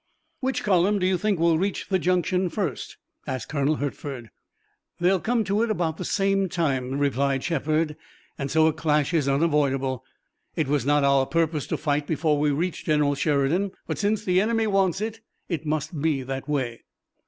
"Which column do you think will reach the junction first?" asked Colonel Hertford. "They'll come to it about the same time," replied Shepard. "And so a clash is unavoidable. It was not our purpose to fight before we reached General Sheridan, but since the enemy wants it, it must be that way."